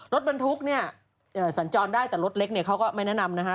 รถบรรทุกเนี่ยสัญจรได้แต่รถเล็กเนี่ยเขาก็ไม่แนะนำนะฮะ